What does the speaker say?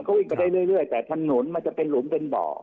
ก็วิ่งไปได้เรื่อยแต่ถนนมันจะเป็นหลุมเป็นบ่อ